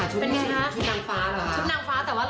ชุดนางฟ้า